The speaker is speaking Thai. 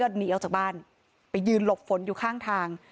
มีชายแปลกหน้า๓คนผ่านมาทำทีเป็นช่วยค่างทาง